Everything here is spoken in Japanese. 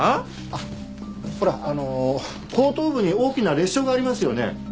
あっほらあの後頭部に大きな裂傷がありますよね。